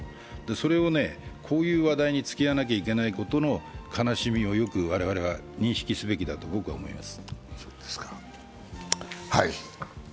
それをこういう話題につきあわなきゃいけないことの悲しみに我々は認識すべきだと僕は思います。